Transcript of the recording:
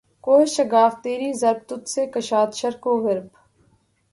کوہ شگاف تیری ضرب تجھ سے کشاد شرق و غرب